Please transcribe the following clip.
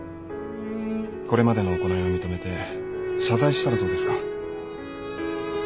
これまでの行いを認めて謝罪したらどうですか？